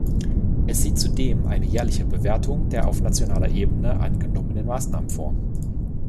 Es sieht zudem eine jährliche Bewertung der auf nationaler Ebene angenommenen Maßnahmen vor.